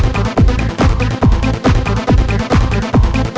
ตอนนี้อะไรครับ